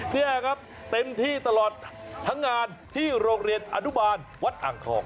นี่ครับเต็มที่ตลอดทั้งงานที่โรงเรียนอนุบาลวัดอ่างทอง